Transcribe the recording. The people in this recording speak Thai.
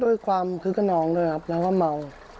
ด้วยความคึกขนองด้วยครับแล้วก็เมา